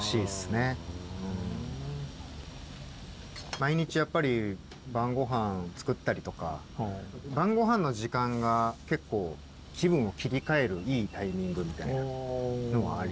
毎日やっぱり晩ごはん作ったりとか晩ごはんの時間が結構気分を切り替えるいいタイミングみたいなのはありますね。